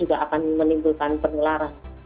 akan menimbulkan penularan